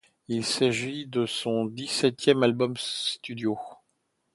Il s'agit de son dix-septième album studio.